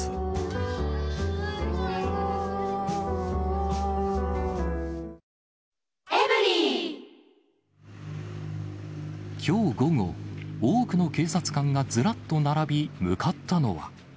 キリン「生茶」きょう午後、多くの警察官がずらっと並び、向かったのは。